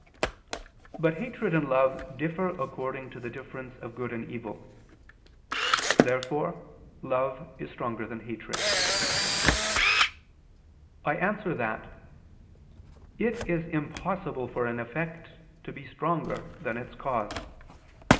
But hatred and love differ according to the difference of good and evil. Therefore love is stronger than hatred. I answer that, It is impossible for an effect to be stronger than its cause.